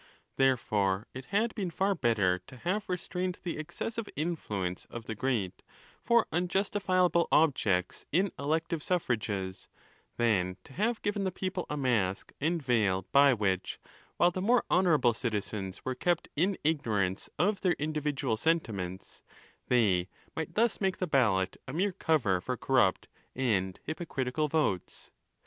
Therefore, it had been far better to have restrained the excessive influence of the great for unjustifiable objects in elective suffrages, than to have given the people a mask and veil by which, while the more honourable citizens were kept in ignorance of their individual sentiments, they might thus make the ballot a mere cover for corrupt and hypocritical votes.